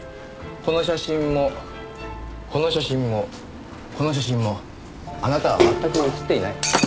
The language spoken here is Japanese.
この写真もこの写真もこの写真もあなたはまったく写っていない。